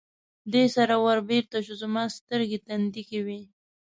دې سره ور بېرته شو، زما سترګې تندې کې وې.